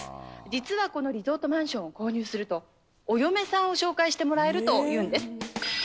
実はこのリゾートマンションを購入すると、お嫁さんを紹介してもらえるというんです。